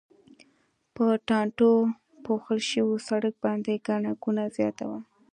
په ټانټو پوښل شوي سړک باندې ګڼه ګوڼه زیاته وه.